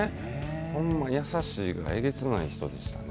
ほんま優しいがえげつない人でしたね。